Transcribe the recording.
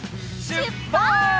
しゅっぱつ！